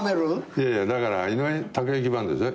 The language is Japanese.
いやいやだから井上堯之バンドでしょ。